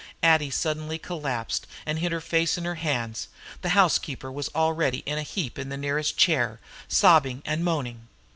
Addie suddenly collapsed, and hid her face in her hands. The housekeeper was already in a heap in the nearest chair, sobbing and moaning.